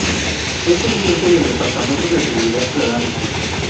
Es el jefe del departamento de Seguridad Ciudadana.